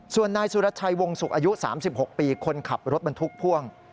ส่วนนายสุรชัยวงศุกร์อายุ๓๖ปีคนขับรถบรรทุกพ่วง